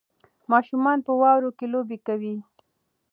ماشومان په واوره کې لوبې کوي.